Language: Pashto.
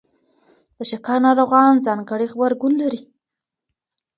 د شکر ناروغان ځانګړی غبرګون لري.